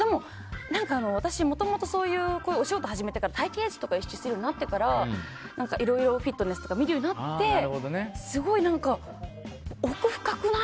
私、もともとお仕事始めてから、体形維持とかするようになってからいろいろフィットネスとか見るようになってすごい奥深くない？